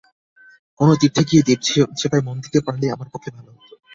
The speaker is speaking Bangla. কোনো তীর্থে গিয়ে দেবসেবায় মন দিতে পারলেই আমার পক্ষে ভালো হত।